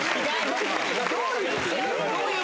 どういう？